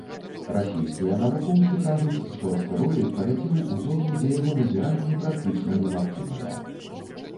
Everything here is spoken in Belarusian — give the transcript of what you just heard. Расійскія навукоўцы кажуць, што астэроід паляцеў у зону, дзе яго назіранні практычна немагчымыя.